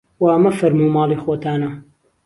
وا مەفەرموو ماڵی خۆتانە